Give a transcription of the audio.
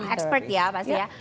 expert ya pasti ya